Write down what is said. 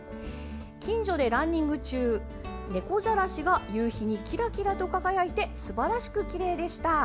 近所でランニング中猫じゃらしが夕日にキラキラと輝いてすばらしくきれいでした。